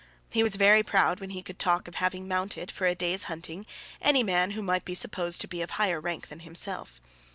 He was very proud when he could talk of having mounted, for a day's hunting, any man who might be supposed to be of higher rank than himself.